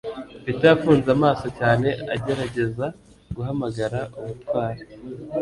Peter yafunze amaso cyane agerageza guhamagara ubutwari.